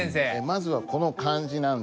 まずはこの漢字なんですけど。